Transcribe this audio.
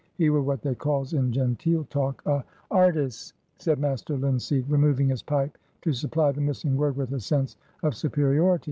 "He were what they calls in genteel talk a"— "Artis'," said Master Linseed, removing his pipe, to supply the missing word with a sense of superiority.